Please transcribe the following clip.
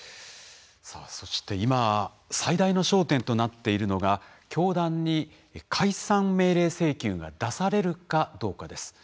そして今最大の焦点となっているのが教団に解散命令請求が出されるかどうかです。